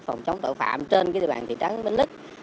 phòng chống tội phạm trên địa bàn thị trấn bến lức